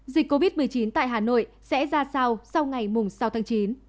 dịch covid một mươi chín tại hà nội sẽ ra sao sau ngày sáu tháng chín